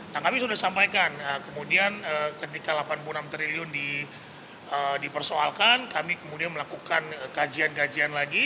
nah kami sudah sampaikan kemudian ketika delapan puluh enam triliun dipersoalkan kami kemudian melakukan kajian kajian lagi